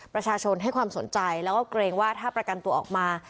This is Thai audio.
ประชาชนให้ความสนใจแล้วก็เกรงว่าถ้าประกันตัวออกมา